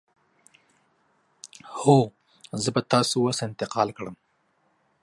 هو، زه به تاسو اوس انتقال کړم.